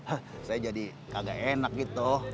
ah saya jadi kagak enak gitu